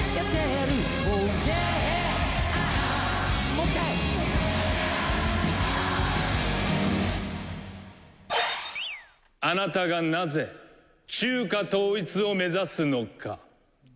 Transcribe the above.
もう一回。あなたがなぜ、中華統一を目指すのか。